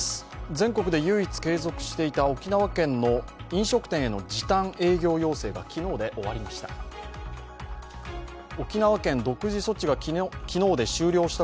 全国で唯一継続していた沖縄県の飲食店への時短営業要請が昨日で終わりました。